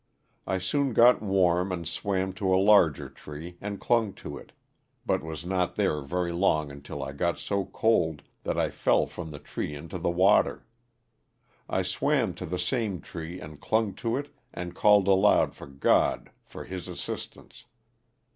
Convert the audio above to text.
I soon got warm and swam to a larger tree, and clung to it, but was not there very long until I got so cold that I fell from the tree into the water. I swam to the same tree and clung to it and called aloud to God for His assistance.